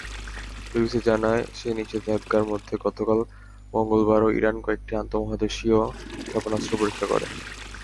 BBC জানায়, সেই নিষেধাজ্ঞার মধ্যে গতকাল মঙ্গলবারও ইরান কয়েকটি আন্তমহাদেশীয় ক্ষেপণাস্ত্র পরীক্ষা করে।